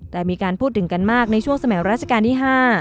แต่มีการพูดถึงกันมากในช่วงสมัยราชการที่๕